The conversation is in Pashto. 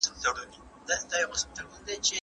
¬ اول کوه احتياط، اوستری مه کوه پسات.